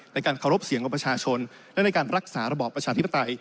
ในการเคารพเสียงของประชาชนและในการรักษาระบอบประชาธิปไตย